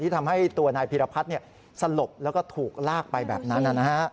ทำให้ตัวนายพีรพัฒน์สลบแล้วก็ถูกลากไปแบบนั้น